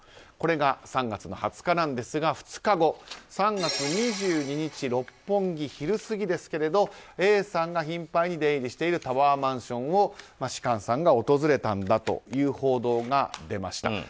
これが３月２０日なんですが２日後３月２２日、六本木昼過ぎですけれどもＡさんが頻繁に出入りしているタワーマンションを芝翫さんが訪れたんだという報道が出ました。